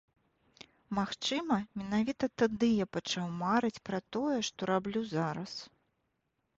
Магчыма, менавіта тады я пачаў марыць пра тое, што раблю зараз.